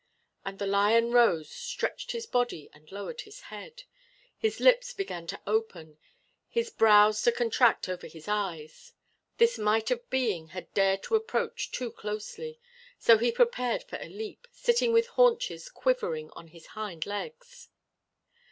And the lion rose, stretched his body, and lowered his head. His lips began to open, his brows to contract over his eyes. This mite of being had dared to approach too closely so he prepared for a leap, sitting with haunches quivering on his hind legs.